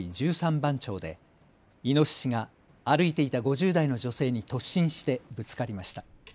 番町でイノシシが歩いていた５０代の女性に突進してぶつかりました。